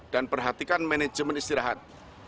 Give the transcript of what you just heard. dan perhatikan manajemen istirahat